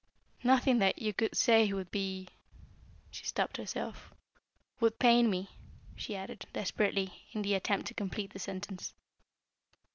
"Nothing that you could say would be " she stopped herself "would pain me," she added, desperately, in the attempt to complete the sentence.